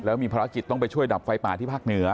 แล้วมีภารกิจต้องไปช่วยดับไฟป่าที่ภาคเหนือ